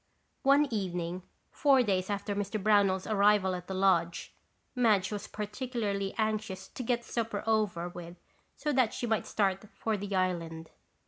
One evening, four days after Mr. Brownell's arrival at the lodge, Madge was particularly anxious to get supper over with so that she might start for the island.